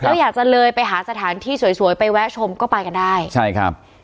แล้วอยากจะเลยไปหาสถานที่สวยสวยไปแวะชมก็ไปกันได้ใช่ครับ